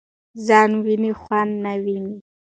ځان وینی خوان نه ويني .